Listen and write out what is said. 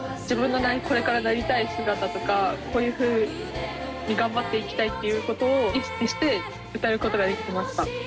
自分のこれからなりたい姿とかこういうふうに頑張っていきたいということを意識して歌うことができました。